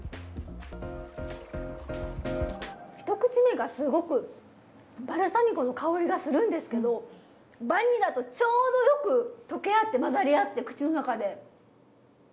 一口目がすごくバルサミコの香りがするんですけどバニラとちょうどよく溶け合って混ざり合って口の中で。